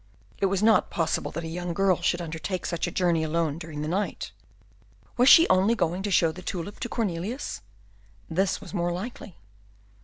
It was not possible that a young girl should undertake such a journey alone during the night. Was she only going to show the tulip to Cornelius? This was more likely.